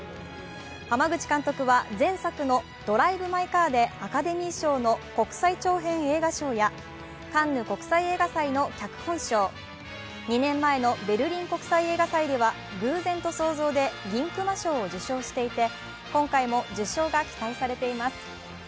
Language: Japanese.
濱口監督は前作の「ドライブ・マイ・カー」でアカデミー賞の国際長編映画賞やカンヌ国際映画祭の脚本賞、２年前のベルリン国際映画祭では「偶然と想像」で銀熊賞を受賞していて今回も受賞が期待されています。